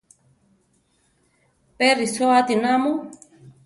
¿Pé risoáti namu?